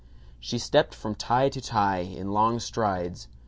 She stepped from tie to tie, in long strides.